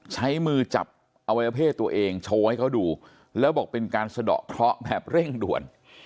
ใช้มือจับอวัยวเพศตัวเองโชว์ให้เขาดูแล้วบอกเป็นการสะดอกเคราะห์แบบเร่งด่วน